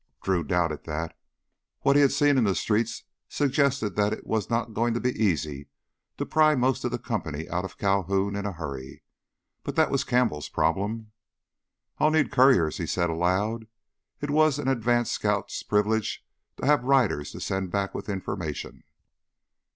Drew doubted that. What he had seen in the streets suggested that it was not going to be easy to pry most of the company out of Calhoun in a hurry, but that was Campbell's problem. "I'll need couriers," he said aloud. It was an advance scout's privilege to have riders to send back with information.